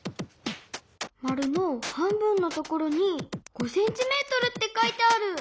まるの半分のところに５ｃｍって書いてある。